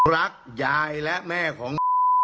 รักยายและแม่ของ